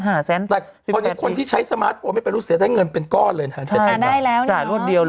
แต่คนที่ใช้สมาร์ทโฟนไม่เป็นลูกศีรษะได้เงินเป็นก้อนเลย